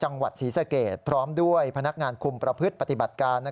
จังหวัดศรีสเกตพร้อมด้วยพนักงานคุมประพฤติปฏิบัติการ